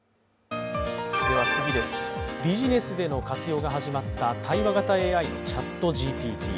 ビジネスでの活用が始まった対話型ＡＩ、ＣｈａｔＧＰＴ。